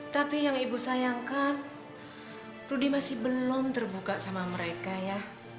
tapi yang ibu sayangkan rudy masih belum terbuka sama mereka ya